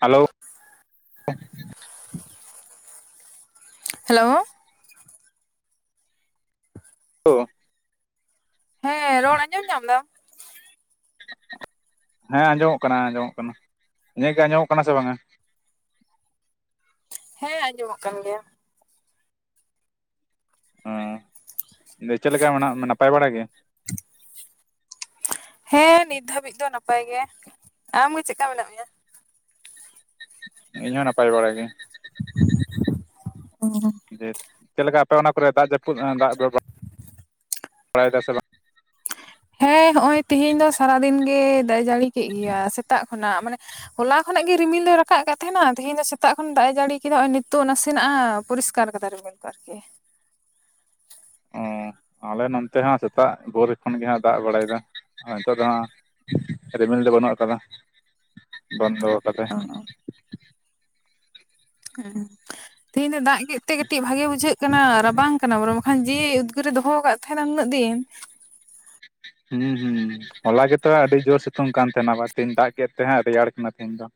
Hello [unintelligible] hello ᱳ ᱦᱮᱸ ᱨᱚᱲ ᱟᱸᱡᱚᱢ ᱧᱟᱢ ᱮᱫᱟᱢ ᱦᱮᱸ ᱟᱸᱡᱚᱢᱚᱜ ᱠᱟᱱᱟ ᱟᱸᱡᱚᱢᱚᱜ ᱠᱟᱱᱟ ᱤᱧᱟᱹᱜ ᱜᱮ ᱟᱸᱡᱚᱢᱚᱜ ᱠᱟᱱᱟ ᱥᱮ ᱵᱟᱝᱼᱟ ᱦᱮᱸ ᱟᱸᱡᱚᱢᱚᱜ ᱠᱟᱱ ᱜᱮᱭᱟ ᱚ ᱪᱮᱫ ᱞᱮᱠᱟ ᱢᱮᱱᱟᱜ ᱱᱟᱯᱟᱭ ᱵᱟᱲᱟ ᱜᱮ ᱦᱮᱸ ᱱᱤᱛ ᱫᱷᱟᱹᱵᱤᱡ ᱫᱚ ᱱᱟᱯᱟᱭ ᱜᱮ ᱟᱢᱜᱮ ᱪᱮᱫᱞᱮᱠᱟ ᱢᱮᱱᱟᱜ ᱢᱮᱭᱟ ᱤᱧᱦᱚᱸ ᱱᱟᱯᱟᱭ ᱵᱟᱲᱟ ᱜᱮ ᱚᱻ ᱡᱮ ᱪᱮᱫᱞᱮᱠᱟ ᱟᱯᱮ ᱚᱱᱟ ᱠᱚᱨᱮ ᱫᱟᱜ ᱡᱟᱹᱯᱩᱫ ᱫᱟᱜ ᱵᱮᱵᱚᱦᱟᱨ ᱵᱟᱲᱟᱭᱮᱫᱟ ᱥᱮ ᱵᱟᱝ ᱦᱮᱸ ᱦᱚᱜᱼᱚᱭ ᱛᱤᱦᱮᱧ ᱫᱚ ᱥᱟᱨᱟ ᱫᱤᱱ ᱜᱮ ᱫᱟᱜ ᱡᱟᱹᱲᱤ ᱠᱮᱫ ᱜᱮᱭᱟ ᱥᱮᱛᱟᱜ ᱠᱷᱚᱱᱟᱜ ᱢᱟᱱᱮ ᱦᱚᱞᱟ ᱠᱷᱚᱱᱟᱜ ᱜᱮ ᱨᱤᱢᱤᱞ ᱫᱚ ᱨᱟᱠᱟᱵ ᱟᱠᱟᱫ ᱛᱟᱦᱮᱱᱟ ᱛᱮᱦᱤᱧ ᱫᱚ ᱥᱮᱛᱟᱜ ᱠᱷᱚᱱ ᱫᱟᱜ ᱮ ᱡᱟᱹᱲᱤ ᱠᱮᱫᱟ ᱱᱚᱜᱼᱚᱭ ᱱᱤᱛᱚᱜ ᱱᱟᱥᱮᱱᱟᱜᱼᱟ ᱯᱚᱨᱤᱥᱠᱟᱨ [unintelligible] ᱨᱤᱢᱤᱞ ᱠᱚ ᱟᱨᱠᱤ ᱚ ᱟᱞᱮ ᱱᱚᱱᱛᱮ ᱦᱚᱸ ᱥᱮᱛᱟᱜ ᱵᱷᱳᱨ ᱠᱷᱚᱱ ᱜᱮ ᱦᱟᱸᱜ ᱫᱟᱜ ᱵᱟᱲᱟᱭᱮᱫᱟ ᱱᱤᱛᱳᱜ ᱫᱚ ᱦᱟᱸᱜ ᱨᱤᱢᱤᱞ ᱫᱚ ᱵᱟᱹᱱᱩᱜ ᱟᱠᱟᱫᱟ ᱵᱚᱱᱫᱚ ᱟᱠᱟᱫᱟᱭ ᱦᱮᱸ ᱛᱮᱦᱤᱧ ᱫᱚ ᱫᱟᱜ ᱠᱮᱫ ᱛᱮ ᱠᱟᱹᱴᱤᱡ ᱵᱷᱟᱜᱮ ᱵᱩᱡᱷᱟᱹᱜ ᱠᱟᱱᱟ ᱨᱟᱵᱟᱝ ᱠᱟᱱᱟ ᱵᱚᱞᱮ ᱵᱟᱠᱷᱟᱱ ᱡᱮ ᱩᱫᱽᱜᱟᱹᱨᱮ ᱫᱚᱦᱚ ᱟᱠᱟᱫ ᱛᱟᱦᱮᱸᱱᱟ ᱩᱱᱟᱹᱜ ᱫᱤᱱ ᱦᱩᱸ ᱦᱩᱸ ᱦᱚᱞᱟ ᱜᱮᱛᱚ ᱟᱹᱰᱤ ᱡᱳᱨ ᱥᱤᱛᱩᱝ ᱠᱟᱱ ᱛᱟᱦᱮᱱᱟ ᱵᱟ ᱛᱮᱦᱤᱧ ᱫᱟᱜ ᱠᱮᱫ ᱛᱮ ᱦᱟᱸᱜ ᱨᱮᱭᱟᱲ ᱠᱟᱱᱟ ᱛᱤᱦᱤᱧ ᱫᱚ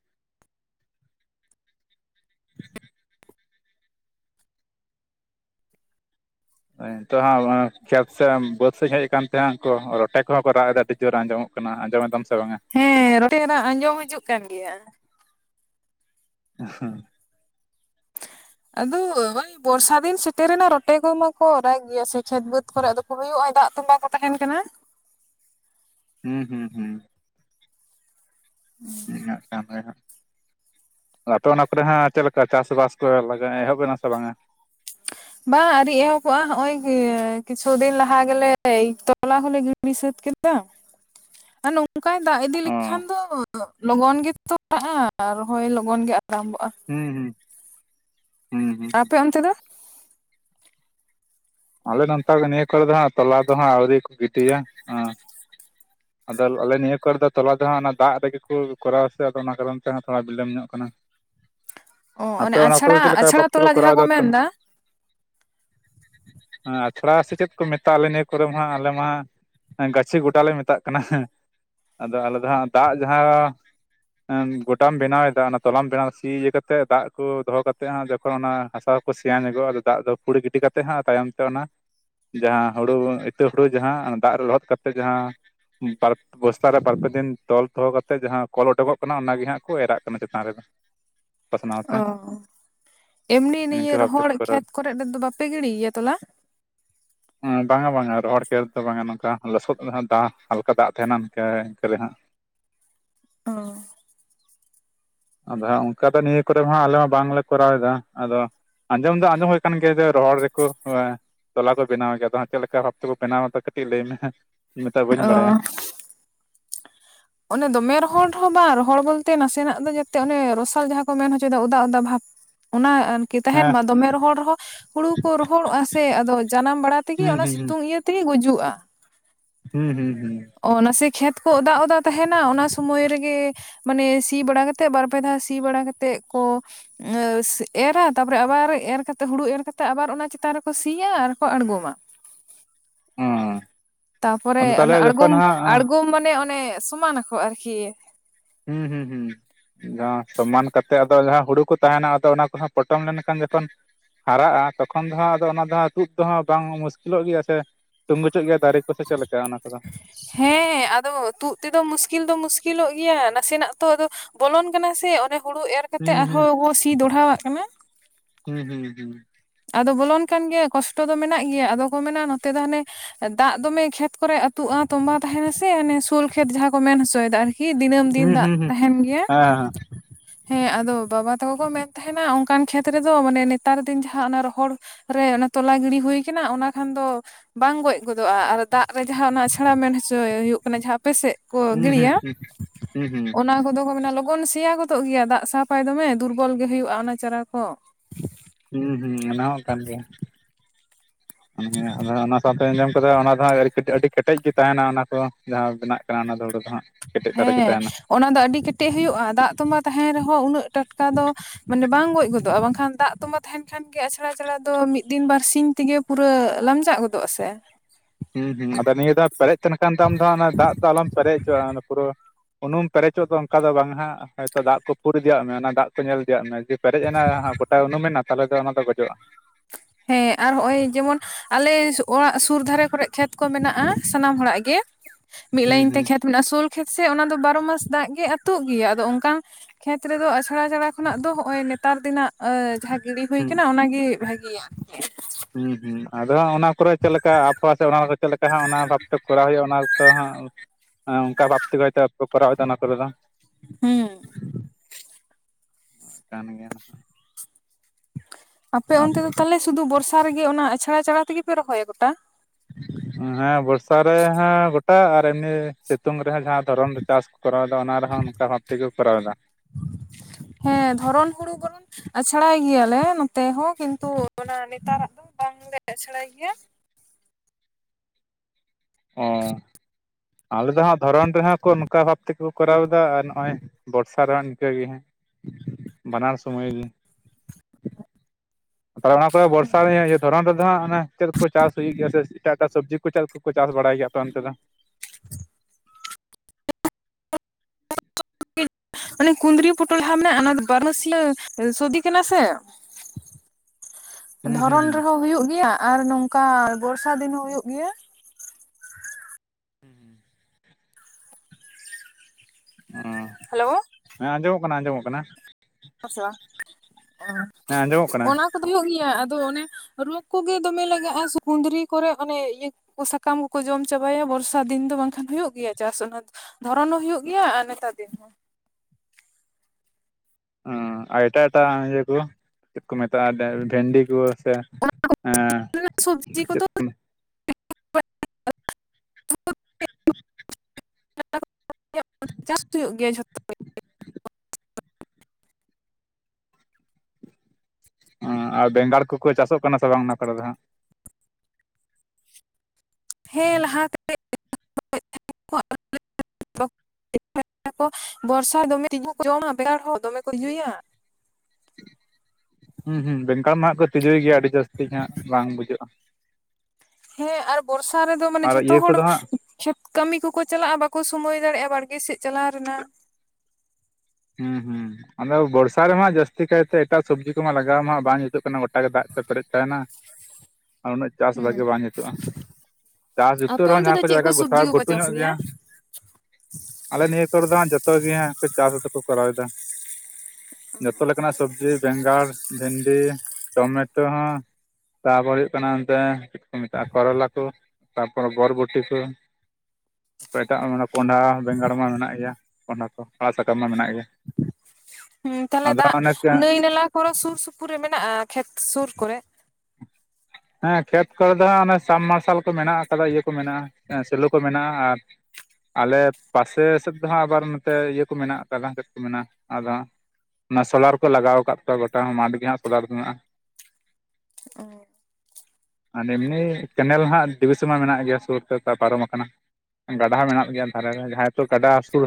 ᱱᱤᱛᱚᱜ ᱦᱟᱸᱜ ᱠᱷᱮᱛ ᱥᱮᱫ ᱵᱟᱹᱫᱽ ᱥᱮᱫ ᱦᱮᱡ ᱟᱠᱟᱱ ᱛᱟᱦᱮᱸᱜ ᱩᱱᱠᱩ ᱨᱚᱴᱮ ᱠᱚᱦᱚᱸ ᱠᱚ ᱨᱟᱜ ᱮᱫᱟ ᱟᱹᱰᱤ ᱡᱳᱨ ᱟᱸᱡᱚᱢᱚᱜ ᱠᱟᱱᱟ ᱠᱟᱱᱟ ᱟᱸᱡᱚᱢ ᱮᱫᱟᱢ ᱥᱮ ᱵᱟᱝᱟ ᱦᱮᱸ ᱨᱚᱴᱮ ᱨᱟᱜ ᱟᱸᱡᱚᱢ ᱦᱤᱡᱩᱜ ᱠᱟᱱ ᱜᱮᱭᱟ [inaudible] ᱟᱫᱚ ᱵᱚᱨᱥᱟ ᱫᱤᱱ ᱥᱮᱴᱮᱨ ᱨᱮᱱᱟ ᱨᱚᱴᱮ ᱠᱚᱢᱟᱠᱚ ᱨᱟᱜ ᱜᱮᱭᱟ ᱥᱮ ᱠᱷᱮᱛ ᱵᱟᱹᱫᱽ ᱠᱚᱨᱮᱫᱚ ᱦᱩᱭᱩᱜ ᱟᱭ ᱫᱟᱜ ᱛᱩᱸᱵᱟ ᱠᱚ ᱛᱟᱦᱮᱱ ᱠᱟᱱᱟ ᱦᱩᱸ ᱦᱩᱸ ᱦᱩᱸ [unintelligible] [unintelligible] ᱟᱯᱮ ᱚᱱᱟ ᱠᱚᱨᱮ ᱦᱟᱸᱜ ᱪᱮᱫ ᱞᱮᱠᱟ ᱪᱟᱥᱵᱟᱥ ᱠᱚ ᱞᱟᱜᱟ ᱮᱦᱚᱵ ᱮᱱᱟ ᱥᱮ ᱵᱟᱝᱟ ᱵᱟᱝ ᱟᱨᱤ ᱮᱦᱚᱵᱚᱜᱼᱟ ᱦᱚᱜ ᱚᱭ ᱠᱤᱪᱷᱩᱫᱤᱱ ᱞᱟᱦᱟ ᱜᱮᱞᱮ ᱛᱚᱞᱟ ᱦᱚᱞᱮ ᱜᱤᱲᱤ ᱥᱟᱹᱛ ᱠᱮᱫᱟ ᱚᱱᱠᱟᱭ ᱫᱟᱜ ᱤᱫᱤ ᱚ ᱞᱮᱠᱷᱟᱱ ᱫᱚ ᱞᱚᱜᱚᱱ ᱜᱮ ᱛᱚᱨᱟᱜᱼᱟ ᱟᱨ ᱨᱚᱦᱚᱭ ᱞᱚᱜᱚᱱ ᱜᱮ ᱟᱨᱟᱢᱚᱜᱼᱟ ᱦᱩᱸ ᱦᱩᱸ ᱦᱩᱸ ᱦᱩᱸ ᱟᱯᱮ ᱚᱱᱛᱮ ᱫᱚ ᱟᱞᱮ ᱱᱚᱱᱛᱮ ᱱᱤᱭᱟᱹ ᱠᱚᱨᱮ ᱫᱚᱦᱟᱸᱜ ᱛᱚᱞᱟ ᱫᱚᱦᱟᱸᱜ ᱟᱹᱣᱨᱤ ᱠᱚ ᱜᱤᱰᱤᱭᱟ ᱦᱮᱸ ᱟᱫᱚ ᱟᱞᱮ ᱱᱤᱭᱟᱹ ᱠᱚᱨᱮ ᱛᱚᱞᱟ ᱫᱚᱦᱟᱸᱜ ᱚᱱᱟ ᱫᱟᱜ ᱨᱮᱜᱮ ᱠᱚᱨᱟᱣ ᱟᱥᱮ ᱟᱫᱚ ᱚᱱᱟ ᱠᱟᱨᱚᱱ ᱛᱮ ᱛᱷᱚᱲᱟ ᱵᱤᱞᱚᱢ ᱧᱚᱜ ᱟᱠᱟᱱᱟ ᱚ ᱟᱯᱮ ᱚᱱᱮ ᱚᱱᱟ ᱠᱚᱨᱮ ᱟᱪᱷᱟᱲᱟ ᱫᱚ ᱪᱮᱫ ᱞᱮᱠᱟ ᱟᱪᱷᱟᱲᱟ ᱵᱟᱯ ᱛᱮᱠᱚ ᱛᱚᱞᱟ ᱡᱟᱦᱟᱸ ᱠᱚ ᱠᱚᱨᱟᱣᱮᱫᱟ ᱛᱚ ᱦᱟᱸᱜ ᱢᱮᱱᱫᱟ ᱦᱮᱸ ᱟᱨ ᱛᱷᱚᱲᱟ ᱥᱮ ᱪᱮᱫ ᱠᱚ ᱢᱮᱛᱟᱜ ᱞᱮᱮ ᱱᱤᱭᱟᱹ ᱠᱚᱨᱮ ᱢᱟ ᱟᱞᱮ ᱢᱟ ᱦᱮᱸ ᱜᱟᱹᱪᱷᱤ ᱜᱚᱴᱟ ᱞᱮ ᱢᱮᱛᱟᱜ ᱠᱟᱱᱟ ᱟᱫᱚ ᱟᱞᱮ ᱫᱚ ᱦᱟᱸᱜ ᱫᱟᱜ ᱡᱟᱦᱟᱸᱼᱼ ᱦᱮᱸ, ᱜᱚᱴᱟᱢ ᱵᱮᱱᱟᱣᱮᱫᱟ ᱚᱱᱟ ᱛᱚᱞᱟᱢ ᱵᱮᱱᱟᱣ ᱥᱤ ᱤᱭᱟᱹ ᱠᱟᱛᱮᱜ ᱫᱟᱜ ᱠᱚ ᱫᱚᱦᱚ ᱠᱟᱛᱮᱜ ᱦᱟᱸᱜ ᱡᱚᱠᱷᱚᱱ ᱚᱱᱟ ᱦᱟᱥᱟᱼᱼ ᱠᱚ ᱥᱮᱭᱟ ᱧᱚᱜᱚᱜ-ᱟ ᱟᱫᱚ ᱫᱟᱜ ᱫᱚ ᱯᱷᱩᱲ ᱜᱤᱰᱤ ᱠᱟᱛᱮ ᱦᱟᱸᱜ ᱛᱟᱭᱚᱢ ᱛᱮ ᱚᱱᱟ ᱡᱟᱦᱟᱸ ᱦᱩᱲᱩ ᱤᱛᱟᱹ ᱦᱩᱲᱩ ᱡᱟᱦᱟᱸ ᱚᱱᱟ ᱫᱟᱜ ᱨᱮ ᱞᱚᱦᱚᱫ ᱠᱟᱛᱮ ᱡᱟᱦᱟᱸ [unintelligible] ᱵᱚᱥᱛᱟ ᱨᱮ ᱵᱟᱨᱯᱮ ᱫᱤᱱ ᱛᱚᱞ ᱫᱚᱦᱚ ᱠᱟᱛᱮᱫ ᱡᱟᱦᱟᱸ ᱠᱚᱞ ᱚᱰᱚᱠᱚᱜ ᱠᱟᱱᱟ ᱚᱱᱟᱜᱮ ᱦᱟᱸᱜ ᱠᱚ ᱮᱨᱟᱜ ᱠᱟᱱᱟ ᱪᱮᱛᱟᱱ ᱨᱮᱫᱚ ᱯᱟᱥᱱᱟᱣ ᱛᱮ ᱚ ᱮᱢᱱᱤ ᱱᱤᱭᱟᱹ ᱤᱱᱠᱟᱹ ᱵᱷᱟᱵ ᱨᱚᱦᱚᱲ ᱛᱮᱠᱚ ᱠᱚᱨᱟᱣ ᱠᱷᱮᱛ ᱠᱚᱨᱮ ᱫᱚ ᱵᱟᱯᱮ ᱜᱤᱲᱤᱭ ᱜᱮᱭᱟ ᱛᱚᱞᱟ? ᱵᱟᱝᱟ ᱵᱟᱝᱟ ᱨᱚᱦᱚᱲ ᱠᱷᱮᱛ ᱨᱮᱫᱚ ᱵᱟᱝᱟ ᱱᱚᱝᱠᱟ ᱞᱚᱥᱚᱫ ᱞᱟᱦᱟ ᱫᱟ, ᱦᱟᱞᱠᱟ ᱫᱟᱜ ᱛᱟᱦᱮᱱᱟ ᱤᱱᱠᱟᱹ ᱤᱱᱠᱟᱹᱞᱮ ᱦᱟᱸᱜ [inaudible] ᱚ ᱟᱫᱚ ᱦᱟᱸᱜ ᱚᱱᱠᱟ ᱫᱚ ᱱᱤᱭᱟᱹ ᱠᱚᱨᱮ ᱦᱟᱸᱜ ᱟᱞᱮ ᱢᱟ ᱵᱟᱝᱞᱮ ᱠᱚᱨᱟᱣᱮᱫᱟ ᱟᱫᱚ ᱟᱸᱡᱚᱢ ᱫᱚ ᱟᱸᱡᱚᱢ ᱦᱩᱭ ᱠᱟᱱ ᱜᱮᱭᱟ ᱡᱮ ᱨᱚᱦᱚᱲ ᱨᱮᱠᱚ ᱦᱳᱭ ᱛᱚᱞᱟ ᱠᱚ ᱵᱮᱱᱟᱣ ᱜᱮᱭᱟ ᱟᱫᱚ ᱦᱟᱸᱜ ᱪᱮᱫ ᱞᱮᱠᱟ ᱵᱷᱟᱵ ᱛᱮᱠᱚ ᱵᱮᱱᱟᱣ ᱫᱚ ᱠᱟᱹᱴᱤᱡ ᱞᱟᱹᱭᱢᱮ ᱦᱮᱸ ᱤᱧᱢᱟᱛᱚ ᱵᱟᱹᱧ ᱵᱟᱲᱟᱭᱟ ᱚ ᱚᱱᱮ ᱫᱚᱢᱮ ᱨᱚᱦᱚᱲ ᱨᱮᱦᱚᱸ ᱵᱟᱝ, ᱨᱚᱦᱚᱲ ᱵᱚᱞᱛᱮ ᱱᱟᱥᱮᱱᱟᱜ ᱫᱚ ᱡᱟᱛᱮ ᱚᱱᱮ ᱨᱚᱥᱟᱞ ᱡᱟᱦᱟᱸ ᱠᱚ ᱢᱮᱱ ᱦᱚᱪᱚᱭᱫᱟ ᱚᱫᱟ ᱚᱫᱟ ᱵᱷᱟᱵᱽ ᱚᱱᱟ ᱮᱱ ᱠᱤ ᱛᱟᱦᱮᱱ ᱢᱟ ᱫᱚᱢᱮ ᱨᱚᱦᱚᱲ ᱨᱮᱦᱚᱸ ᱦᱩᱲᱩ ᱠᱚ ᱨᱚᱦᱚᱲᱚᱜᱼᱟ ᱥᱮ ᱟᱫᱚ ᱡᱟᱱᱟᱢ ᱵᱟᱲᱟ ᱛᱮᱜᱮ ᱦᱮᱸ ᱦᱩᱸ ᱚᱱᱟ ᱦᱩᱸ ᱥᱤᱛᱩᱝ ᱤᱭᱟᱹᱼᱼ ᱛᱮᱜᱮ ᱜᱩᱡᱩᱜᱼᱟ ᱦᱩᱸ ᱦᱩᱸ ᱦᱩᱸ ᱚ, ᱚᱱᱟ ᱥᱤ ᱠᱷᱮᱛ ᱠᱚ ᱚᱫᱟ ᱚᱫᱟᱼᱼ ᱛᱟᱦᱮᱱᱟ ᱚᱱᱟ ᱥᱚᱢᱚᱭ ᱨᱮᱜᱮ ᱢᱟᱱᱮ ᱥᱤ ᱵᱟᱲᱟ ᱠᱟᱛᱮᱫ ᱵᱟᱨᱯᱮ ᱫᱷᱟᱣ ᱥᱤ ᱵᱟᱲᱟ ᱠᱟᱛᱮᱫ ᱠᱚᱼᱼ ᱮᱨᱟ, ᱛᱟᱨᱯᱚᱨᱮ ᱟᱵᱟᱨ ᱮᱨ ᱠᱟᱛᱮᱜ ᱦᱩᱲᱩ ᱮᱨ ᱠᱟᱛᱮᱜ ᱟᱵᱟᱨ ᱚᱱᱟ ᱪᱮᱛᱟᱱ ᱨᱮᱠᱚ ᱥᱤᱭᱟ ᱟᱨᱠᱚ ᱟᱬᱜᱚᱢᱟ ᱚᱸ ᱛᱟᱯᱚᱨᱮ ᱟᱫᱚ ᱛᱟᱦᱚᱞᱮ ᱡᱚᱠᱷᱚᱱ ᱟᱲᱜᱚᱢ, ᱦᱟᱸᱜ ᱟᱲᱜᱚᱢ ᱢᱟᱱᱮ ᱚᱱᱮ ᱥᱚᱢᱟᱱᱟᱠᱚ ᱟᱨᱠᱤ ᱦᱩᱸ ᱦᱩᱸ ᱦᱩᱸ ᱵᱟ, ᱥᱚᱢᱟᱱ ᱠᱟᱛᱮᱫ ᱟᱫᱚ ᱡᱟᱦᱟᱸ ᱦᱩᱲᱩ ᱠᱚ ᱛᱟᱦᱮᱱᱟ ᱟᱫᱚ ᱚᱱᱟᱠᱚ ᱦᱟᱸᱜ ᱯᱚᱴᱚᱢ ᱞᱮᱱᱠᱷᱟᱱ ᱡᱚᱠᱷᱚᱱᱼᱼ ᱦᱟᱨᱟᱜᱼᱟ ᱛᱚᱠᱷᱚᱱ ᱫᱚ ᱦᱸᱟᱜ ᱟᱫᱚ ᱚᱱᱟ ᱫᱚ ᱦᱟᱸᱜ ᱛᱩᱫᱽ ᱛᱮᱸᱦᱚ ᱵᱟᱝ ᱢᱩᱥᱠᱤᱞᱚᱜ ᱜᱮᱭᱟ ᱥᱮ? ᱼᱼ ᱴᱩᱝᱜᱟᱹᱪᱚᱜ ᱜᱮᱭᱟ ᱫᱟᱨᱮ ᱠᱚᱥᱮ ᱪᱮᱫ ᱞᱮᱠᱟ ᱚᱱᱟ ᱠᱚᱫᱚ? ᱦᱮᱸ ᱟᱫᱚ ᱛᱩᱫ ᱛᱮᱫᱚ ᱢᱩᱥᱠᱤᱞ ᱫᱚ ᱢᱩᱥᱠᱤᱞᱚᱜ ᱜᱮᱭᱟ ᱱᱟᱥᱮᱱᱟᱜ ᱛᱚ ᱟᱫᱚᱼᱼ ᱵᱚᱞᱚᱱ ᱠᱟᱱᱟ ᱥᱮ ᱚᱱᱮ ᱦᱩᱲᱩ ᱮᱨ ᱠᱟᱛᱮᱜ ᱦᱩᱸ ᱦᱩᱸ ᱟᱨᱦᱚᱸ ᱵᱚ ᱥᱤ ᱫᱚᱲᱦᱟᱣᱟᱜ ᱠᱟᱱᱟ ᱦᱩᱸ ᱦᱩᱸ ᱦᱩᱸ ᱟᱫᱚ ᱵᱚᱞᱚᱱ ᱠᱟᱱ ᱜᱮᱭᱟ ᱠᱚᱥᱴᱚ ᱫᱚ ᱢᱮᱱᱟᱜ ᱜᱮᱭᱟ ᱟᱫᱚ ᱠᱚ ᱢᱮᱱᱟ ᱱᱚᱛᱮ ᱫᱚ ᱦᱟᱱᱮᱼᱼ ᱫᱟᱜ ᱫᱚᱢᱮ ᱠᱷᱮᱛ ᱠᱚᱨᱮ ᱟᱹᱛᱩᱜᱼᱟ ᱛᱚᱸᱵᱟ ᱛᱟᱦᱮᱱᱟ ᱥᱮ ᱚᱱᱮ ᱥᱳᱞ ᱠᱷᱮᱛ ᱡᱟᱦᱟᱸ ᱠᱚ ᱢᱮᱱ ᱦᱚᱪᱚᱭ ᱫᱟ ᱟᱨᱠᱤ ᱠᱤ ᱫᱤᱱᱟᱹᱢ ᱫᱤᱱ ᱦᱩᱸ ᱫᱟᱜ ᱦᱩᱸ ᱦᱩᱸ ᱛᱟᱸᱦᱮᱱ ᱜᱮᱭᱟ ᱦᱮᱸ ᱦᱮᱸ ᱦᱮᱸ ᱟᱫᱚ ᱵᱟᱵᱟ ᱛᱟᱠᱚ ᱠᱚ ᱢᱮᱱ ᱛᱟᱦᱮᱱᱟ ᱚᱱᱠᱟᱱ ᱠᱷᱮᱛ ᱨᱮᱫᱚ ᱢᱟᱱᱮ ᱱᱮᱛᱟᱨ ᱫᱤᱱ ᱡᱟᱦᱟᱸᱼᱼ ᱦᱮᱸ, ᱚᱱᱟ ᱨᱚᱦᱚᱲ ᱨᱮ ᱚᱱᱟ ᱛᱚᱞᱟ ᱜᱤᱲᱤ ᱦᱩᱭ ᱠᱟᱱᱟ ᱚᱱᱟ ᱠᱷᱟᱱ ᱫᱚᱼᱼ ᱵᱟᱝ ᱜᱚᱡ ᱜᱚᱫᱚᱜᱼᱟ ᱟᱨ ᱫᱟᱜ ᱨᱮ ᱡᱟᱦᱟᱸ ᱚᱱᱟ ᱟᱪᱷᱟᱲᱟ ᱢᱮᱱ ᱦᱚᱪᱚᱭ ᱦᱩᱭᱩᱜ ᱠᱟᱱᱟ ᱡᱟᱦᱟᱸ ᱟᱯᱮᱥᱮᱫᱼᱼ ᱠᱚ ᱦᱩᱸ ᱦᱩᱸ ᱜᱤᱲᱜᱤᱭᱟ ᱦᱩᱸ ᱦᱩᱸ ᱦᱩᱸ ᱚᱱᱟ ᱠᱚᱫᱚ ᱠᱚ ᱢᱮᱱᱟ ᱞᱚᱜᱚᱱ ᱥᱮᱭᱟ ᱜᱚᱫ ᱛᱚᱜ ᱜᱮᱭᱟ ᱫᱟᱜ ᱥᱟᱯᱟᱭ ᱫᱚᱢᱮ ᱫᱩᱨᱵᱚᱞ ᱜᱮ ᱦᱩᱭᱩᱜᱼᱟ ᱚᱱᱟ ᱪᱟᱨᱟ ᱠᱚ ᱦᱩᱸ ᱦᱩᱸ ᱚᱱᱟᱦᱚᱸ ᱠᱟᱱ ᱜᱮᱭᱟ ᱟᱫᱚ ᱚᱱᱟ ᱥᱟᱶᱛᱮᱧ ᱟᱸᱡᱚᱢ ᱠᱟᱫᱟ ᱚᱱᱟ ᱫᱚ ᱦᱟᱸᱜ ᱟᱹᱰᱤ ᱠᱮᱴᱮᱡ ᱜᱮ ᱛᱟᱦᱮᱱᱟ ᱚᱱᱟ ᱠᱚ ᱡᱟᱦᱟᱸ ᱵᱮᱱᱟᱜ ᱠᱟᱱᱟ ᱚᱱᱟᱫᱚ ᱦᱳᱬᱳ ᱫᱚ ᱦᱟᱸᱜ ᱠᱮᱴᱮᱡ ᱫᱷᱟᱨᱟ ᱜᱮ ᱦᱮᱸ ᱛᱟᱦᱮᱱᱟ ᱚᱱᱟ ᱫᱚ ᱟᱹᱰᱤ ᱠᱮᱴᱮᱡ ᱦᱩᱭᱩᱜᱼᱟ ᱫᱟᱜ ᱛᱚᱸᱵᱟ ᱛᱟᱦᱮᱱ ᱨᱮᱦᱚᱸ ᱩᱱᱟᱹᱜ ᱴᱟᱴᱠᱟ ᱫᱚᱼᱼ ᱢᱟᱱᱮ ᱵᱟᱝ ᱜᱚᱡ ᱜᱚᱫᱚᱜᱼᱟ ᱵᱟᱝᱠᱷᱟᱱ ᱫᱟᱜ ᱛᱚᱸᱵᱟ ᱛᱟᱦᱮᱱ ᱠᱷᱟᱱᱜᱮ ᱟᱪᱷᱲᱟ ᱪᱟᱲᱟ ᱫᱚ ᱢᱤᱫ ᱫᱤᱱ ᱵᱟᱨ ᱥᱤᱧ ᱛᱮᱜᱮ ᱯᱩᱨᱟᱹ ᱞᱟᱢᱡᱟᱜ ᱜᱚᱫᱚᱼᱟ ᱥᱮ ᱦᱩᱸ ᱦᱩᱸ ᱟᱫᱚ ᱱᱤᱭᱟᱹ ᱫᱚ ᱯᱮᱨᱮᱡ ᱛᱟᱦᱮᱱ ᱠᱷᱟᱱ ᱛᱚ ᱫᱟᱜ ᱫᱚ ᱟᱞᱚᱢ ᱯᱮᱨᱮᱡ ᱦᱚᱪᱚᱣᱟᱜᱼᱟ ᱯᱩᱨᱟᱹ ᱩᱱᱩᱢ ᱯᱮᱨᱮᱪᱚᱜ ᱫᱚ ᱚᱱᱠᱟ ᱫᱚ ᱵᱟᱝ ᱦᱟᱸᱜᱼᱼ ᱦᱳᱭᱛᱳ ᱫᱟᱜ ᱠᱚ ᱯᱷᱩᱲ ᱤᱫᱤᱭᱟᱜ ᱢᱮ ᱚᱱᱟ ᱫᱟᱜ ᱠᱚ ᱧᱮᱞ ᱤᱫᱤᱭᱟᱜ ᱢᱮ ᱡᱩᱫᱤ ᱯᱮᱨᱮᱡ ᱮᱱᱟ ᱦᱟᱸᱜ ᱜᱚᱴᱟᱜᱮ ᱩᱱᱩᱢᱮᱢᱮᱱᱟ ᱛᱟᱦᱞᱮ ᱫᱚ ᱚᱱᱟ ᱫᱚ ᱜᱚᱡᱚᱜᱼᱟ ᱦᱮᱸ ᱟᱨ ᱦᱚᱸᱜᱼᱚᱭ ᱡᱮᱢᱚᱱ ᱟᱞᱮ ᱚᱲᱟᱜ ᱥᱩᱨ ᱫᱷᱟᱨᱮ ᱠᱚᱨᱮᱜ ᱠᱷᱮᱛ ᱠᱚ ᱢᱮᱱᱟᱜᱼᱟ ᱥᱟᱱᱟᱢ ᱦᱚᱲᱟᱜ ᱜᱮ ᱢᱤᱫ ᱦᱩᱸ ᱞᱟᱭᱤᱱ ᱛᱮ ᱦᱩᱸ ᱠᱷᱮᱛ ᱢᱮᱱᱟᱜᱼᱟ ᱥᱳᱞ ᱠᱷᱮᱛ ᱥᱮ ᱚᱱᱟ ᱫᱚ ᱵᱟᱨᱚ ᱢᱟᱥ ᱫᱟᱜ ᱜᱮ ᱟᱹᱛᱩᱜ ᱜᱮᱭᱟ ᱟᱫᱚ ᱚᱱᱠᱟᱱ ᱠᱷᱮᱛ ᱨᱮᱫᱚ ᱟᱪᱷᱲᱟ ᱪᱷᱟᱲᱟ ᱠᱷᱚᱱᱟᱜ ᱫᱚ ᱦᱚᱸᱜᱼᱚᱭ ᱱᱮᱛᱟᱨ ᱫᱤᱱᱟᱜ ᱡᱟᱦᱟᱸ ᱜᱤᱲᱤ ᱦᱩᱭ ᱦᱩᱸ ᱠᱟᱱᱟ ᱚᱱᱟᱜᱮ ᱵᱷᱟᱹᱜᱮᱭᱟ ᱦᱩᱸ ᱦᱩᱸ ᱟᱫᱚ ᱦᱟᱸᱜ ᱚᱱᱟ ᱠᱚᱨᱮ ᱪᱮᱫ ᱞᱮᱠᱟ ᱟᱵᱚᱦᱟᱣᱟ ᱥᱮ ᱚᱱᱟ ᱠᱚᱫᱚ ᱪᱮᱫ ᱞᱮᱠᱟ ᱦᱟᱸᱜ ᱚᱱᱟ ᱵᱷᱟᱵᱛᱮ ᱠᱚᱨᱟᱣ ᱦᱩᱭᱩᱜᱼᱟ ᱴ, ᱚᱱᱟ ᱜᱮᱛᱚ ᱦᱟᱸᱜ ᱦᱮᱸ ᱚᱝᱠᱟ ᱵᱟᱵᱽ ᱛᱮᱜᱮ ᱦᱚᱭᱛᱳ ᱟᱯᱮ ᱯᱮ ᱠᱚᱨᱟᱣᱮᱫᱟ ᱚᱱᱟ ᱠᱚᱨᱮ ᱫᱚ ᱦᱩᱸ᱾ ᱠᱟᱱ ᱜᱮᱭᱟ ᱱᱟᱦᱟᱜ᱾ ᱟᱯᱮ ᱚᱱᱛᱮ ᱫᱚ ᱛᱟᱦᱮᱞᱮ ᱥᱩᱫᱩ ᱵᱚᱨᱥᱟ ᱨᱮᱜᱮ ᱚᱱᱟ ᱟᱪᱷᱟᱲᱟ ᱪᱷᱟᱲᱟ ᱛᱮᱜᱮ ᱯᱮ ᱨᱚᱦᱚᱭᱟ ᱜᱚᱴᱟ? ᱦᱮᱸ ᱵᱚᱨᱥᱟ ᱨᱮ ᱦᱟᱸ ᱜᱚᱴᱟ ᱟᱨ ᱮᱢᱱᱤ᱾ ᱥᱤᱛᱩᱝ ᱨᱮᱦᱚᱸ ᱡᱟᱦᱟᱸ ᱫᱷᱚᱨᱚᱢ ᱨᱮ ᱪᱟᱥ ᱠᱚ ᱠᱚᱨᱟᱣᱮᱫᱟ ᱚᱱᱟ ᱨᱮᱦᱚᱸ ᱚᱱᱠᱟ ᱵᱷᱟᱵᱽ ᱛᱮ ᱠᱚ ᱠᱚᱨᱟᱣᱮᱫᱟ᱾ ᱦᱮᱸ ᱫᱷᱚᱨᱚᱱ ᱦᱩᱲᱩ ᱵᱚᱨᱚᱱ ᱟᱪᱷᱲᱟᱭ ᱜᱮᱭᱟᱞᱮ ᱱᱚᱛᱮ ᱦᱚᱸ ᱠᱤᱱᱛᱩ ᱚᱱᱟ ᱱᱮᱛᱟᱨᱟᱜ ᱫᱚ ᱵᱟᱝᱞᱮ ᱟᱪᱲᱟᱭ ᱜᱮᱭᱟ᱾ ᱚ ᱟᱞᱮ ᱫᱚ ᱦᱟᱸᱜ ᱫᱷᱚᱨᱚᱱ ᱨᱮᱦᱚᱸ ᱠᱚ ᱱᱚᱝᱠᱟ ᱵᱷᱟᱵᱽ ᱛᱮᱠᱚ ᱠᱚ ᱠᱚᱨᱟᱣ ᱮᱫᱟ ᱟᱨ ᱱᱚᱜᱼᱚᱭ ᱵᱚᱨᱥᱟ ᱨᱮᱦᱚᱸ ᱤᱱᱠᱟᱹᱜᱮ ᱦᱟᱸᱜ ᱵᱟᱱᱟᱨ ᱥᱚᱢᱚᱭ ᱜᱮ᱾ ᱛᱟᱦᱚᱞᱮ ᱚᱱᱟ ᱠᱚᱨᱮ ᱵᱚᱨᱥᱟᱱ ᱨᱮ ᱫᱷᱚᱨᱚᱱ ᱨᱮᱫᱚ ᱦᱟᱸᱜ ᱪᱮᱫ ᱠᱚ? ᱠᱚ ᱪᱟᱥ ᱦᱩᱭᱩᱜ ᱜᱮᱭᱟ ᱥᱮ ᱮᱴᱟᱜ ᱮᱴᱟᱜ ᱥᱚᱵᱽᱡᱤ ᱠᱚ ᱪᱮᱫ ᱠᱚᱠᱚ ᱪᱟᱥ ᱵᱟᱲᱟᱭ ᱜᱮᱭᱟ ᱟᱯᱮ ᱚᱱᱛᱮ ᱫᱚ? ᱚᱱᱮ ᱠᱩᱸᱫᱽᱨᱤ ᱯᱩᱚᱴᱚᱞ ᱡᱟᱸᱦᱟ ᱢᱮᱱᱟᱜᱼᱟ ᱚᱱᱟ ᱫᱚ ᱵᱟᱨᱚᱢᱤᱥᱤᱭᱟᱹ ᱥᱚᱵᱽᱡᱤ‌ ᱠᱟᱱᱟ ᱥᱮ᱾ [unintelligible] ᱦᱩᱸ ᱦᱩᱸ ᱫᱷᱚᱨᱚᱱ ᱦᱩᱸ ᱨᱮᱦᱚᱸ ᱦᱩᱭᱩᱜ ᱜᱮᱭᱟ ᱟᱨ ᱱᱚᱝᱠᱟ ᱵᱚᱨᱥᱟ ᱫᱤᱱ ᱦᱚᱸ ᱦᱩᱭᱩᱜ ᱜᱮᱭᱟ᱾ [unintelligible] ᱚ ᱦᱮᱞᱳ᱾ ᱦᱮᱸ ᱟᱸᱡᱚᱢᱚᱜ ᱠᱟᱱᱟ ᱟᱸᱡᱚᱢᱚᱜ ᱠᱟᱱᱟ᱾ ᱥᱮ ᱵᱟᱝ ᱚ ᱦᱮᱸ ᱟᱸᱡᱚᱢᱚᱜ ᱠᱟᱱᱟ᱾ ᱦᱩᱭᱩᱜ ᱜᱮᱭᱟ ᱟᱫᱚ ᱚᱱᱮ ᱨᱳᱜᱽ ᱠᱚᱜᱮ ᱫᱚᱢᱮ ᱞᱟᱜᱟᱜᱼᱟ ᱠᱩᱸᱫᱽᱨᱤ ᱠᱚᱨᱮ ᱚᱱᱮ ᱤᱭᱟᱹ ᱥᱟᱠᱟᱢ ᱠᱚᱠᱚ ᱡᱚᱢ ᱪᱟᱵᱟᱭᱟ ᱵᱚᱨᱥᱟ ᱫᱤᱱ ᱫᱚ ᱵᱟᱝᱠᱷᱟᱱ ᱦᱩᱭᱩᱜ ᱜᱮᱭᱟ ᱪᱟᱥ ᱚᱱᱟ ᱫᱚ ᱫᱷᱚᱨᱚᱱ ᱦᱚᱸ ᱦᱩᱭᱩᱜ ᱜᱮᱭᱟ ᱟᱨ ᱱᱮᱛᱟᱨ ᱫᱤᱱ ᱦᱚᱸ᱾ ᱩᱸ ᱟᱨ ᱮᱴᱟᱜ ᱮᱴᱟᱜ ᱤᱭᱟᱹ ᱠᱚ ᱪᱮᱫ ᱠᱚ ᱢᱮᱛᱟᱜᱼᱟ ᱵᱷᱮᱱᱰᱤ ᱠᱚ ᱥᱮ ᱚᱱᱟ ᱮᱸ ᱨᱮᱱᱟᱜ ᱥᱚᱵᱽᱡᱤ ᱛᱮᱫ [unintelligible] [unintelligible] ᱪᱟᱥ ᱦᱩᱭᱩᱜ ᱜᱮᱭᱟ ᱡᱷᱚᱛᱚ ᱜᱮ᱾ ᱟᱨ ᱵᱮᱸᱜᱟᱲ ᱠᱚᱠᱚ ᱪᱟᱥᱚᱜ ᱠᱟᱱᱟ ᱥᱮ ᱵᱟᱝ ᱚᱱᱟ ᱠᱚᱨᱮ ᱫᱚ ᱦᱟᱸᱜ᱾ ᱦᱮᱸ ᱞᱟᱦᱟᱛᱮ ᱨᱚᱦᱟᱭᱟ ᱮᱫ ᱛᱟᱦᱮᱡ ᱟᱨ ᱱᱮᱛᱟᱨ ᱫᱚ ᱵᱟᱝ [unintelligible] ᱵᱚᱨᱥᱟ ᱫᱚᱢᱮ ᱛᱤᱡᱩ ᱠᱚ ᱡᱚᱢᱟ ᱵᱮᱸᱜᱟᱲ ᱦᱚᱸ ᱠᱚ ᱛᱤᱡᱩᱭᱟ᱾ ᱦᱩᱸ ᱦᱩᱸ ᱵᱮᱸᱜᱟᱲ ᱢᱟ ᱦᱟᱸᱜ ᱠᱚ ᱛᱤᱡᱩᱭ ᱜᱮᱭᱟ ᱟᱹᱰᱤ ᱡᱟᱹᱥᱛᱤ ᱜᱮ ᱦᱟᱸᱜ ᱵᱟᱝ ᱵᱩᱡᱷᱟᱹᱜᱼᱟ᱾ ᱦᱮᱸ ᱟᱨ ᱵᱚᱨᱥᱟ ᱨᱮᱫᱚ ᱢᱟᱱᱮ ᱟᱨ ᱡᱷᱚᱛᱚ ᱤᱭᱟᱹ ᱦᱚᱲ ᱠᱚᱫᱚ ᱦᱟᱸᱜ ᱠᱷᱮᱛ ᱠᱟᱹᱢᱤ ᱠᱚᱠᱚ ᱪᱟᱞᱟᱜᱼᱟ ᱵᱟᱠᱚ ᱥᱳᱢᱚᱭᱭ ᱫᱟᱲᱮᱭᱟᱜᱼᱟ ᱵᱟᱲᱜᱮ ᱥᱮᱫ ᱪᱟᱞᱟᱣ ᱨᱮᱱᱟᱜ᱾ ᱦᱩᱸ ᱦᱩᱸ᱾ ᱟᱫᱚ ᱵᱚᱲᱥᱟ ᱨᱮᱢᱟ ᱡᱟᱹᱥᱛᱤ ᱠᱟᱭᱛᱮ ᱮᱴᱟᱜ ᱥᱚᱵᱽᱡᱤ ᱠᱚᱢᱟ ᱞᱟᱜᱟᱣ ᱢᱟ ᱵᱟᱝ ᱡᱩᱛᱩᱜ ᱠᱟᱱᱟ ᱜᱚᱴᱟ ᱜᱮ ᱫᱟᱜ ᱯᱮ ᱯᱮᱨᱮᱡ ᱛᱟᱸᱦᱮᱱᱟ᱾ ᱟᱨ ᱩᱱᱟᱹᱜ ᱪᱟᱥ ᱦᱩᱸ ᱵᱷᱟᱹᱜᱤ ᱵᱟᱝ ᱡᱛᱩᱜᱼᱟ᱾ ᱪᱟᱥ ᱡᱩᱛᱩᱜ ᱟᱯᱮ ᱨᱮᱦᱚᱸ ᱚᱱᱛᱮ ᱡᱟᱦᱟᱸ ᱫᱚ ᱠᱚ ᱪᱮᱫ ᱡᱟᱭᱜᱟ ᱜᱚᱴᱟ‌‌ ᱥᱚᱵᱽᱡᱤ ᱠᱚᱠᱚ ᱜᱷᱩᱴᱩ ᱪᱟᱥ ᱧᱚᱜ ᱜᱮᱭᱟ᱾ ᱟᱞᱮ ᱱᱤᱭᱟᱹ ᱠᱚᱨᱮ ᱫᱚᱜ ᱦᱟᱸᱜ ᱡᱚᱛᱚ ᱜᱮᱦᱟᱸᱜ ᱪᱟᱥ ᱫᱚᱠᱚ ᱠᱚᱨᱟᱣ ᱮᱫᱟ᱾ ᱡᱚᱛᱚ ᱞᱮᱠᱟᱱᱟᱜ ᱥᱚᱵᱽᱡᱤ ᱵᱮᱸᱜᱟᱲ ᱵᱷᱤᱱᱰᱤ ᱴᱚᱢᱮᱴᱳ ᱦᱚᱸ᱾ ᱛᱟᱯᱚᱨ ᱦᱩᱭᱩᱜ ᱠᱟᱱᱟ ᱚᱱᱛᱮ ᱪᱮᱫ ᱠᱚ ᱢᱮᱛᱟᱜᱼᱟ ᱠᱚᱨᱚᱞᱟ ᱠᱚ ᱾ ᱛᱟᱯᱚᱨ ᱵᱚᱨᱵᱚᱴᱤ ᱠᱚ᱾ ᱮᱴᱟᱜ ᱢᱟᱱᱮ ᱠᱚᱱᱰᱷᱟ ᱵᱮᱸᱜᱟᱲ ᱢᱟ ᱢᱮᱱᱟᱜ ᱜᱮᱭᱟ ᱠᱚᱱᱰᱷᱟ ᱠᱚ ᱟᱲᱟᱜ ᱥᱟᱠᱟᱢ ᱢᱟ ᱢᱮᱱᱟᱜ ᱾ ᱮᱜᱮ ᱦᱮᱸ ᱛᱟᱦᱞᱮ ᱫᱟᱜ ᱱᱟᱹᱭ ᱱᱟᱞᱟ ᱠᱚᱨᱮ ᱥᱩᱨ ᱥᱩᱯᱩᱨ ᱨᱮ ᱢᱮᱱᱟᱜᱼᱟ ᱠᱷᱮᱛ ᱥᱩᱨ ᱠᱚᱨᱮ᱾ ᱦᱮᱸ ᱠᱷᱮᱛ ᱠᱚᱨᱮ ᱫᱚ ᱦᱟᱸᱜ ᱚᱱᱮ ᱥᱟᱵᱽᱢᱟᱨᱥᱟᱞ ᱠᱚ ᱢᱮᱱᱟᱜ ᱠᱟᱫᱟ ᱤᱭᱟᱹ ᱠᱚ ᱢᱮᱱᱟᱜᱼᱟ ᱥᱮᱞᱚ ᱠᱚ ᱢᱮᱱᱟᱜᱼᱟ ᱟᱨ ᱟᱞᱮ ᱯᱟᱥᱮ ᱥᱮᱫ ᱫᱚ ᱦᱟᱸᱜ ᱟᱵᱟᱨ ᱱᱚᱛᱮ ᱤᱭᱟᱹ ᱠᱚ ᱢᱮᱱᱟᱜ ᱠᱟᱫᱟ ᱪᱮᱫ ᱠᱚ ᱢᱮᱱᱟᱜ ᱟᱫᱚ ᱦᱟᱸᱜ ᱚᱱᱟ ᱥᱳᱞᱟᱨ ᱠᱚ ᱞᱟᱜᱟᱣ ᱟᱠᱟᱫ ᱠᱚᱣᱟ ᱜᱚᱴᱟ ᱦᱚᱸ ᱢᱟᱴᱷ ᱜᱮ ᱦᱟᱸᱜ ᱥᱳᱞᱟᱨ ᱫᱚ ᱢᱮᱱᱟᱜᱼᱟ᱾ ᱚ ᱟᱨ ᱮᱢᱱᱤ ᱠᱮᱱᱮᱞ ᱦᱟᱸᱜ ᱰᱤᱵᱤᱥ ᱢᱟ ᱢᱮᱱᱟᱜ ᱜᱮᱭᱟ ᱥᱩᱨ ᱛᱮ ᱛᱟ ᱯᱟᱨᱚᱢ ᱠᱟᱱᱟ᱾ ᱜᱟᱰᱟ ᱦᱚᱸ ᱢᱮᱱᱟᱜ ᱜᱮᱭᱟ ᱫᱷᱟᱨᱮ ᱨᱮ ᱡᱟᱦᱟᱸᱭ ᱛᱚ ᱜᱟᱰᱟ ᱥᱩᱨ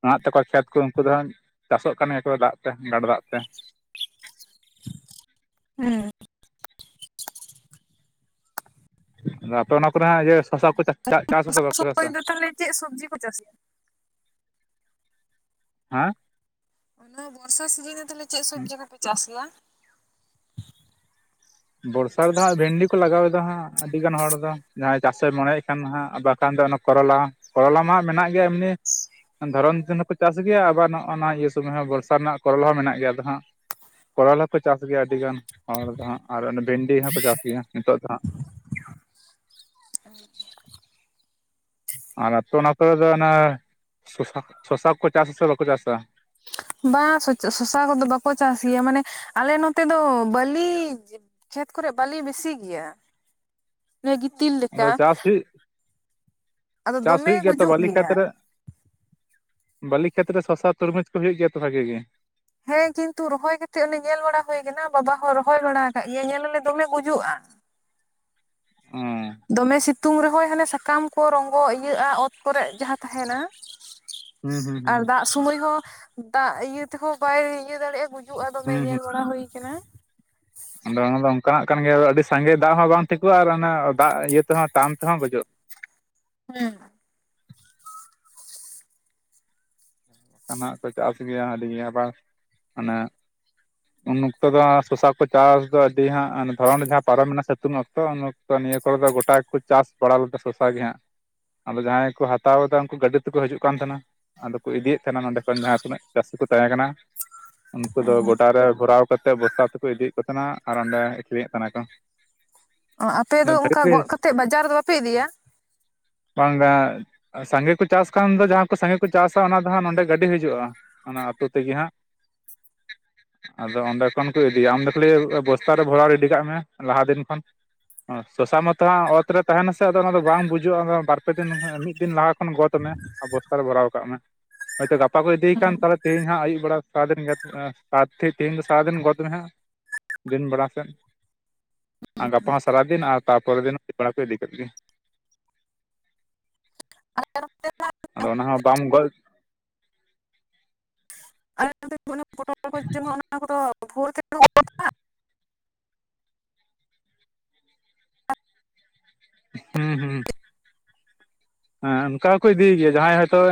ᱢᱮᱱᱟᱜ ᱛᱮᱠᱚ ᱠᱷᱮᱛ ᱠᱚ ᱩᱱᱠᱩ ᱫᱚ ᱪᱟᱥᱚᱜ ᱠᱟᱱ ᱜᱮᱭᱟ ᱠᱚ ᱫᱟᱜ ᱛᱮ ᱜᱟᱰᱟ ᱫᱟᱜ ᱛᱮ ᱦᱮᱸ ᱟᱫᱚ ᱟᱯᱮ ᱚᱱᱟ ᱠᱚᱨᱮ ᱦᱟᱸᱜ ᱡᱮ ᱥᱚᱥᱟ ᱠᱚ ᱪᱟᱥ ᱟᱫᱚ [inaudible] ᱪᱮᱫ ᱥᱚᱵᱽᱡᱤ ᱠᱚ ᱪᱟᱥᱮᱜᱼᱟ? ᱦᱟᱸ ᱚᱱᱟ ᱵᱚᱨᱥᱟ ᱥᱤᱡᱤᱱᱮ ᱛᱟᱦᱚᱞᱮ ᱪᱮᱫ ᱥᱚᱵᱽᱡᱤ ᱠᱚᱯᱮ ᱪᱟᱥ ᱜᱮᱭᱟ? ᱵᱚᱨᱥᱟ ᱨᱮᱫᱚ ᱦᱟᱸᱜ ᱵᱷᱮᱱᱰᱤ ᱠᱚ ᱞᱟᱜᱟᱣᱫᱟ ᱦᱟᱸᱜ ᱟᱹᱰᱤ ᱜᱟᱱ ᱦᱚᱲ ᱫᱚ᱾ ᱡᱟᱦᱟᱸᱭ ᱪᱟᱥᱮ ᱢᱚᱱᱮᱭ ᱠᱷᱟᱱ ᱦᱟᱸᱜ ᱵᱟᱠᱷᱟᱱ ᱫᱚ ᱠᱚᱨᱚᱞᱟ ᱠᱚᱨᱚᱞᱟ ᱢᱟ ᱢᱮᱱᱟᱜ ᱜᱮᱭᱟ ᱮᱢᱱᱤ᱾ ᱫᱷᱚᱨᱚᱢ ᱫᱤᱱ ᱦᱚᱸᱠᱚ ᱪᱟᱥ ᱜᱮᱭᱟ ᱟᱵᱟᱨ ᱱᱚᱜᱼᱚᱭ ᱱᱚᱣᱟ ᱤᱭᱟᱹ ᱥᱩᱢᱚᱭ ᱦᱚᱸ ᱵᱚᱨᱥᱟ ᱨᱮᱱᱟᱜ ᱠᱚᱨᱞ ᱦᱚᱸ ᱢᱮᱱᱟᱜ ᱜᱮᱭᱟ ᱟᱫᱚ ᱦᱟᱸᱜ᱾ ᱠᱚᱨᱚᱞ ᱦᱚᱸᱠᱚ ᱪᱟᱥ ᱜᱮᱭᱟ ᱟᱹᱰᱤᱜᱟᱱ ᱦᱚᱲ ᱫᱚ ᱦᱟᱸᱜ ᱟᱨ ᱵᱷᱤᱱᱰᱤ ᱦᱚᱸᱠᱚ ᱪᱟᱥ ᱜᱮᱭᱟ ᱱᱤᱛᱚᱜ ᱫᱚ ᱦᱟᱸᱜ᱾ ᱟᱨ ᱟᱯᱮ ᱚᱱᱟ ᱠᱚᱨᱮ ᱫᱚ ᱚᱱᱟ ᱥᱚᱥᱟ, ᱥᱚᱥᱟ ᱠᱚᱠᱚ ᱪᱟᱥ ᱟᱥᱮ ᱵᱟᱠᱚ ᱪᱟᱥᱟ? ᱵᱟᱝ ᱥᱚᱥᱟ ᱠᱚᱫᱚ ᱵᱟᱠᱚ ᱪᱟᱥ ᱜᱮᱭᱟ ᱢᱟᱱᱮ ᱟᱞᱮ ᱱᱚᱛᱮ ᱫᱚ ᱵᱟᱹᱞᱤ ᱠᱷᱮᱛ ᱠᱚᱨᱮᱫ ᱵᱟᱹᱞᱤᱧ ᱵᱮᱥᱤ ᱜᱮᱭᱟ᱾ ᱜᱤᱛᱤᱞ ᱞᱮᱠᱟ ᱟᱫᱚ ᱪᱟᱥ ᱦᱩᱭᱩᱜ ᱟᱫᱚ ᱪᱟᱥ ᱦᱩᱭᱩᱜ ᱫᱚᱢᱮ ᱜᱮᱭᱟ ᱛᱚ ᱜᱩᱡᱩᱜ ᱵᱟᱹᱞᱤ ᱠᱷᱮᱛ ᱨᱮ᱾ ᱵᱟᱹᱞᱤ ᱠᱷᱮᱛ ᱨᱮ ᱥᱚᱥᱟ ᱛᱩᱨᱢᱩᱡᱽ ᱠᱚ ᱦᱩᱭᱩᱜ ᱜᱮᱭᱟ ᱛᱚ ᱵᱷᱟᱜᱮ ᱜᱮ᱾ ᱦᱮᱸ ᱠᱤᱱᱛᱩ ᱨᱚᱦᱚᱭ ᱠᱟᱛᱮᱜ ᱚᱱᱮ ᱧᱮᱞ ᱵᱟᱲᱟ ᱦᱳᱭ ᱠᱟᱱᱟ ᱵᱟᱵᱟ ᱦᱚᱸ ᱨᱚᱦᱚᱭ ᱵᱟᱲᱟ ᱠᱟᱜ ᱜᱮᱭᱟ ᱧᱮᱞ ᱟᱞᱮ ᱫᱚᱢᱮ ᱜᱩᱡᱩᱜᱼᱟ᱾ ᱩᱸ ᱫᱚᱢᱮ ᱥᱤᱛᱩᱝ ᱨᱮᱦᱚᱭ ᱦᱟᱱᱮ ᱥᱟᱠᱟᱢ ᱠᱚ ᱨᱚᱸᱜᱚ ᱤᱭᱟᱹᱜᱼᱟ ᱚᱛ ᱠᱚᱨᱮᱜ ᱡᱟᱦᱟᱸ ᱛᱟᱦᱮᱱᱟ᱾ ᱦᱩᱸ ᱦᱩᱸ ᱟᱨ ᱦᱩᱸ ᱫᱟᱜ ᱥᱚᱢᱚᱭ ᱦᱚᱸ ᱫᱟᱜ ᱤᱭᱟᱹ ᱛᱮᱦᱚᱸ ᱵᱟᱭ ᱤᱭᱟᱹ ᱫᱟᱲᱮᱭᱟᱜᱼᱟ᱾ ᱜᱩᱡᱩᱜᱼᱟ ᱫᱚᱢᱮ ᱦᱩᱸ ᱧᱮᱞ ᱵᱟᱲᱟ ᱦᱳᱭ ᱠᱟᱱᱟ᱾ ᱟᱫᱚ ᱚᱱᱟ ᱫᱚ ᱚᱱᱠᱟᱱᱟᱜ ᱠᱟᱱ ᱜᱮᱭᱟ ᱟᱹᱰᱤ ᱥᱟᱸᱜᱮ ᱫᱟᱜ ᱦᱚᱸ ᱵᱟᱝ ᱴᱷᱤᱠᱚᱜᱼᱟ ᱟᱨ ᱚᱱᱮ ᱫᱟᱜ ᱤᱭᱟᱹ ᱛᱮᱦᱚᱸ ᱴᱟᱱ ᱛᱮᱦᱚᱸ ᱜᱚᱡᱚᱜᱼᱟ᱾ ᱦᱮᱸ ᱚᱱᱠᱟᱱᱟᱜ ᱠᱚ ᱪᱟᱥ ᱜᱮᱭᱟ ᱟᱹᱰᱤ ᱟᱵᱟᱨ ᱚᱱᱮ ᱩᱱ ᱚᱠᱛᱚ ᱫᱚ ᱥᱚᱥᱟ ᱠᱚ ᱪᱟᱥ ᱫᱚ ᱟᱹᱰᱤ ᱦᱟᱸᱜ ᱫᱷᱚᱨᱚᱱ ᱨᱮ ᱡᱟᱦᱟᱸ ᱯᱟᱨᱚᱢᱮᱱᱟᱥᱮ ᱥᱤᱛᱩᱝ ᱚᱠᱛᱚ ᱛᱚ ᱱᱤᱭᱟᱹ ᱠᱚᱨᱮ ᱫᱚ ᱜᱚᱴᱟ ᱜᱮᱠᱚ ᱪᱟᱥ ᱵᱟᱲᱟ ᱞᱮᱫᱟ ᱥᱚᱥᱟ ᱜᱮ ᱦᱟᱸᱜ᱾ ᱟᱫᱚ ᱡᱟᱦᱟᱸᱭ ᱠᱚ ᱦᱟᱛᱟᱣ ᱫᱟ ᱩᱱᱠᱩ ᱜᱟᱹᱰᱤ ᱛᱮᱠᱚ ᱦᱤᱡᱩᱜ ᱠᱟᱱ ᱛᱟᱦᱮᱸᱱᱟ᱾ ᱟᱫᱚ ᱠᱚ ᱤᱫᱤᱭᱮᱫ ᱛᱟᱦᱮᱱᱟ ᱱᱚᱰᱮ ᱠᱷᱚᱱ ᱡᱟᱦᱟᱸ ᱛᱤᱱᱟᱹᱜ ᱪᱟᱹᱥᱤ ᱠᱚ ᱛᱟᱦᱮᱸ ᱠᱟᱱᱟ᱾ ᱩᱱᱠᱩ ᱫᱚ ᱜᱚᱰᱟ ᱨᱮ ᱵᱷᱚᱨᱟᱣ ᱠᱟᱛᱮᱫ ᱵᱚᱥᱛᱟ ᱛᱮᱠᱚ ᱤᱫᱤᱭᱮᱫ ᱠᱚ ᱛᱟᱦᱮᱱᱟ ᱟᱨ ᱚᱸᱰᱮ ᱟᱹᱷᱨᱤᱧᱮᱫ ᱛᱟᱦᱮᱸ ᱱᱟᱠᱚ᱾ ᱚ ᱟᱯᱮ ᱫᱚ ᱚᱱᱠᱟ ᱜᱚᱫ ᱠᱟᱛᱮᱫ ᱵᱟᱡᱟᱨ ᱫᱚ ᱵᱟᱯᱮ ᱤᱫᱤᱭᱟ? ᱵᱟᱝᱟ [unintelligible] ᱥᱟᱸᱜᱮ ᱠᱚ ᱪᱟᱥ ᱠᱷᱟᱱ ᱫᱚ ᱡᱟᱦᱟᱸ ᱠᱚ ᱥᱟᱸᱜᱮ ᱠᱚ ᱪᱟᱥᱟ ᱚᱱᱟ ᱱᱚᱰᱮ ᱜᱟᱹᱰᱤ ᱦᱤᱡᱩᱜᱼᱟ ᱚᱱᱟ ᱟᱛᱳ ᱛᱮᱜᱮ ᱦᱟᱸᱜ᱾ ᱟᱫᱚ ᱚᱸᱰᱮ ᱠᱷᱚᱱ ᱠᱚ ᱤᱫᱤᱭᱟ ᱟᱢ ᱫᱚ ᱠᱷᱟᱹᱞᱤ ᱵᱚᱥᱛᱟ ᱨᱮ ᱵᱷᱚᱨᱟᱣ ᱨᱮ ᱨᱤᱰᱤ ᱠᱟᱜ ᱢᱮ ᱞᱟᱦᱟ ᱫᱤᱱ ᱠᱷᱚᱱ᱾ ᱥᱚᱥᱟ ᱢᱟᱛᱚ ᱦᱟᱸᱜ ᱚᱛ ᱨᱮ ᱛᱟᱦᱮᱱᱟᱥᱮ ᱟᱫᱚ ᱚᱱᱟᱫᱚ ᱵᱟᱝ ᱵᱩᱡᱚᱜᱼᱟ, ᱵᱟᱨᱯᱮ ᱫᱤᱱ ᱢᱤᱫ ᱫᱤᱱ ᱞᱟᱦᱟ ᱠᱷᱚᱱ ᱜᱚᱫᱽ ᱢᱮ᱾ ᱟᱨ ᱵᱚᱥᱛᱟ ᱨᱮ ᱵᱷᱚᱨᱟᱣ ᱠᱟᱜ ᱢᱮ᱾ ᱦᱚᱭᱛᱚ ᱜᱟᱯᱟ ᱠᱚ ᱤᱫᱤᱭ ᱠᱟᱱ ᱛᱟᱦᱞᱮ ᱛᱮᱦᱮᱧ ᱦᱟᱸᱜ ᱟᱭᱩᱵ ᱵᱮᱲᱟ ᱥᱟᱨᱟᱫᱤᱱ ᱜᱮ [unintelligible] ᱛᱮᱦᱮᱧ ᱫᱚ ᱥᱟᱨᱟᱫᱤᱱ ᱜᱚᱫ ᱢᱮ ᱦᱟᱸᱜ᱾ ᱫᱤᱱ ᱵᱮᱲᱟ ᱥᱮᱫ᱾ ᱟᱨ ᱜᱟᱯᱟ ᱦᱚᱸ ᱥᱟᱨᱟᱫᱤᱱ ᱟᱨ ᱛᱟᱨᱯᱚᱨᱮ ᱫᱤᱱ [unintelligible] ᱤᱫᱤ ᱠᱮᱫ ᱜᱮ [inaudible] [unintelligible] ᱟᱫᱚ ᱚᱱᱟ ᱦᱚᱸ ᱵᱟᱢ ᱜᱚᱫ [unintelligible] ᱦᱩᱸ ᱦᱩᱸ ᱦᱮᱸ ᱚᱱᱠᱟ ᱜᱮᱠᱚ ᱤᱫᱤᱭ ᱜᱮᱭᱟ, ᱡᱟᱦᱟᱸᱭ ᱦᱚᱭᱛᱚ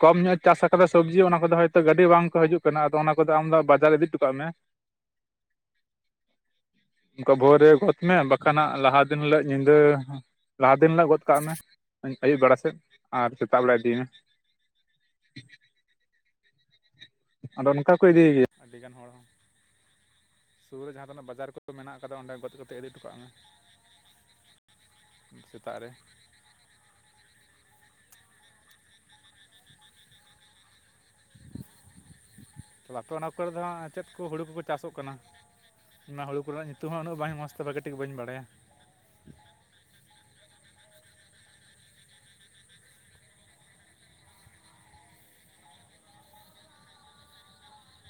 ᱠᱚᱢ ᱧᱚᱜ ᱮ ᱪᱟᱥ ᱠᱟᱫᱟ ᱥᱚᱵᱽᱡᱤ ᱚᱱᱟ ᱠᱚᱫᱚ ᱦᱚᱭᱛᱚ ᱜᱟᱹᱰᱤ ᱵᱟᱝ ᱠᱚ ᱦᱤᱡᱩᱜ ᱠᱟᱱᱟ ᱟᱫᱚ ᱚᱱᱟ ᱠᱚᱫᱚ ᱟᱢ ᱫᱚ ᱵᱟᱡᱟᱨ ᱤᱫᱤ ᱴᱚᱠᱟᱜ ᱢᱮ᱾ [inaudible] ᱚᱱᱠᱟ ᱵᱷᱳᱨ ᱨᱮ ᱜᱚᱫᱽ ᱢᱮ ᱵᱟᱠᱷᱟᱱ ᱦᱟᱸᱜ ᱞᱟᱦᱟ ᱫᱤᱱ ᱦᱤᱞᱳᱜ ᱧᱤᱫᱟᱹ ᱞᱟᱦᱟ ᱫᱤᱱ ᱦᱤᱞᱳᱜ ᱜᱚᱫ ᱠᱟᱜ ᱢᱮ, ᱟᱹᱭᱩᱵ ᱵᱮᱲᱟ ᱥᱮᱫ ᱟᱨ ᱥᱮᱛᱟᱜ ᱵᱮᱲᱟ ᱤᱫᱤ ᱢᱮ᱾ ᱟᱫᱚ ᱚᱱᱠᱟ ᱠᱚ ᱤᱫᱤᱭ ᱜᱮᱭᱟ ᱟᱹᱰᱤ ᱜᱟᱱ ᱦᱚᱲ ᱦᱚᱸ᱾ ᱥᱩᱨ ᱨᱮ ᱡᱟᱦᱟᱸ ᱛᱤᱱᱟᱹᱜ ᱵᱟᱡᱟᱨ ᱠᱚ ᱢᱮᱱᱟᱜ ᱟᱠᱟᱫᱟ ᱚᱸᱰᱮ ᱜᱚᱫ ᱠᱟᱛᱮ ᱤᱫᱤ ᱦᱚᱴᱚ ᱠᱟᱜ ᱢᱮ᱾ ᱥᱮᱛᱟᱜ ᱨᱮ ᱛᱚ ᱟᱯᱮ ᱚᱱᱟ ᱠᱚᱨᱮ ᱫᱚ ᱦᱟᱸᱜ ᱪᱮᱫ ᱠᱚ ᱦᱩᱲᱩ ᱠᱚᱠᱚ ᱪᱟᱥᱚᱜ ᱠᱟᱱᱟ ᱤᱧᱢᱟ ᱦᱩᱲᱩ ᱠᱚᱨᱮᱱᱟᱜ ᱧᱩᱛᱩᱢ ᱦᱚᱸ ᱩᱱᱟᱹᱜ ᱵᱟᱝ ᱢᱚᱡᱽᱛᱮ ᱵᱟᱜᱤ ᱠᱟᱹᱴᱤᱡ ᱵᱟᱹᱧ ᱵᱟᱲᱟᱭᱟ